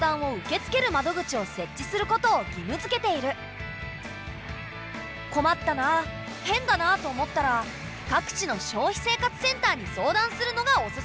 ほかにも「困ったな変だな」と思ったら各地の消費生活センターに相談するのがおすすめ。